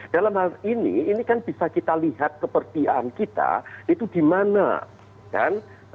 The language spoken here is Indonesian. dalam hal ini ini kan bisa kita lihat kepertihan kita itu di mana kan